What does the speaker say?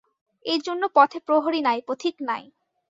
এইজন্য পথে প্রহরী নাই, পথিক নাই।